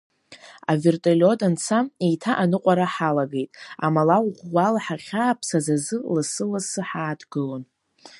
Аверталиот анца, еиҭа аныҟәара ҳалагеит, амала ӷәӷәала ҳахьааԥсаз азы ласы-лассы ҳааҭгылон.